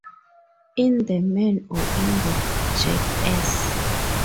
In the man or in the jackass?